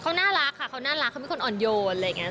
เขาน่ารักค่ะเขาน่ารักเขาเป็นคนอ่อนโยนอะไรอย่างนี้